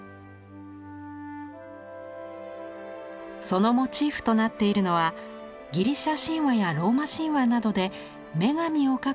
そのモチーフとなっているのはギリシャ神話やローマ神話などで女神を描く際の伝統的な構図。